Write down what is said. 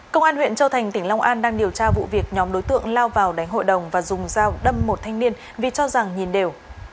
công an huyện châu thành tỉnh long an đang điều tra vụ việc nhóm đối tượng lao vào đánh hội đồng và dùng dao đâm một thanh niên vì cho rằng nhìn đều